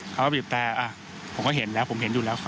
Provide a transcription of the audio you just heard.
เขาก็บีบแต่ผมก็เห็นแล้วผมเห็นอยู่แล้ว